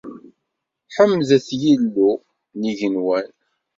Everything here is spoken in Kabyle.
Ḥemdet Illu n yigenwan.